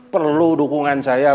perlu dukungan saya